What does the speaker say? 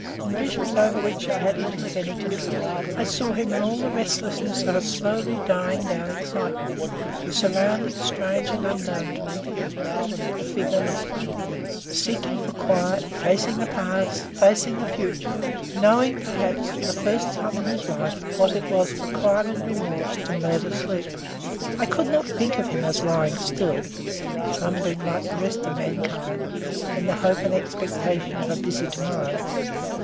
In visions over which I had little if any control, I saw him in all the restlessness of a slowly dying down excitement the surroundings strange and unknown to me, the figure not seeking for quiet; facing the past; facing the future; knowing, perhaps, for the first time in his life what it was for crime and remorse to murder sleep. I could not think of him as lying still slumbering like the rest of mankind, in the hope and expectation of a busy morrow.